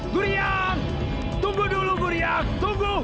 gurian tunggu dulu gurian tunggu